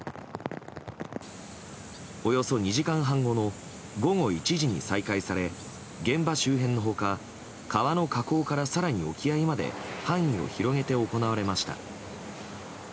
およそ２時間半後の午後１時に再開され現場周辺の他川の河口から更に沖合まで範囲を広げて行われました。